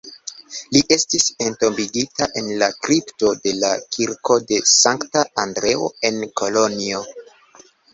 Li estis entombigita en la kripto dela kirko de Sankta Andreo en Kolonjo.